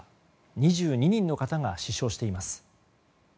２２人の方が死傷しています。